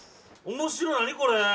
面白い何これ！